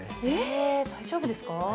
え大丈夫ですか？